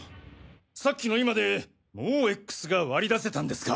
さっきの今でもうＸが割り出せたんですか！？